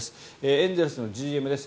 エンゼルスのＧＭです。